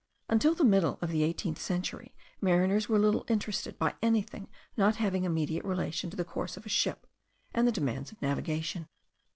Until the middle of the eighteenth century mariners were little interested by anything not having immediate relation to the course of a ship, and the demands of navigation.